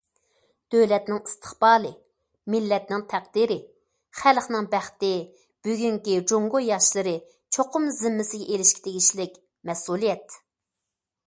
دۆلەتنىڭ ئىستىقبالى، مىللەتنىڭ تەقدىرى، خەلقنىڭ بەختى بۈگۈنكى جۇڭگو ياشلىرى چوقۇم زىممىسىگە ئېلىشقا تېگىشلىك مەسئۇلىيەت.